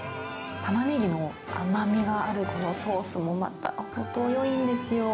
タマネギの甘みがあるこのソースも、また程よいんですよ。